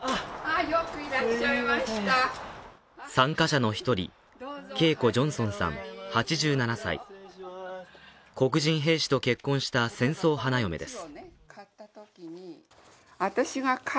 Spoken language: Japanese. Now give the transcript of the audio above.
参加者の１人、恵子・ジョンソンさん、８７歳黒人兵士と結婚した戦争花嫁です。